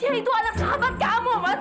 ya itu anak sahabat kamu mas